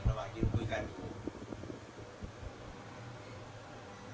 ที่มันฆ่าเซียวนะ